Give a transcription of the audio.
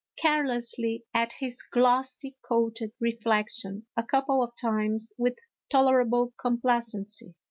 carelessly at his glossy coated reflection a couple of times with tolerable complacency.